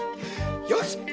よし！